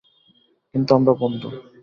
কিন্তু আমরা বন্ধু।